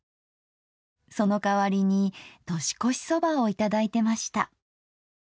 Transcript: その代わりに年越しそばを頂いてました。